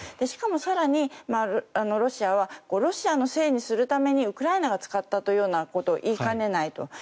しかも更に、ロシアはロシアのせいにするためにウクライナが使ったというようなことを言いかねないと。